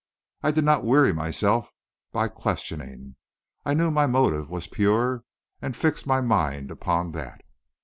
I did not weary myself by questioning. I knew my motive was pure, and fixed my mind upon that.